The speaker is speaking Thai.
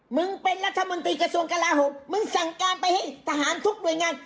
มึงเป็นรัฐมนตรีกระทรวงกลาโหมมึงสั่งการไปให้ทหารทุกหน่วยงาน